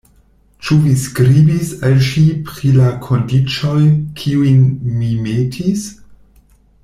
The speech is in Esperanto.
Ĉu vi skribis al ŝi pri la kondiĉoj, kiujn mi metis?